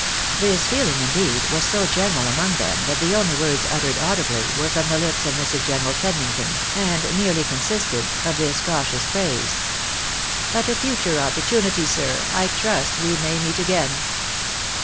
This feeUng, indeed, was so general among them that the only words uttered audibly, were from the lips of Mrs. General Ped mington, and merely consisted of this cautious phrase, " At a future opportunity, sir, I trust we may meet again."